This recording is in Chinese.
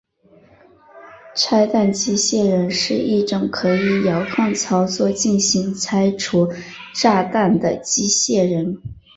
拆弹机械人是一种可以遥控操作进行拆除炸弹的机械人。